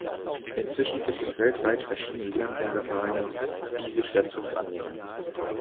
Inzwischen gibt es weltweit verschiedene Leonberger-Vereine, die sich der Zucht annehmen.